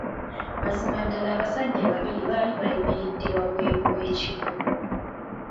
Mazima ddala abasajja babiri baali bayimiridde wabweru w'ekigo.